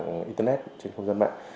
trên internet trên không gian mạng